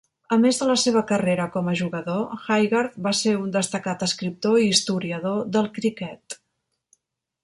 A més de la seva carrera com a jugador, Haygarth va ser un destacat escriptor i historiador del criquet.